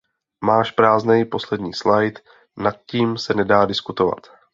Máš prázdnej poslední slajd, nad tím se nedá diskutovat.